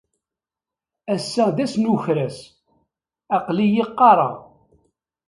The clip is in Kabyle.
Ass-a d ass n ukras. Aql-iyi qqareɣ.